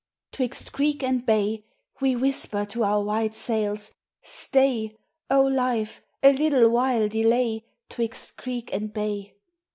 'TWIXT creek and bay We whisper to our white sails "stay! Oh, Life, a little while delay! 'Twixt creek and bay."